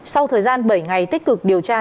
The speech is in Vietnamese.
sau thời gian bảy ngày tích cực điều tra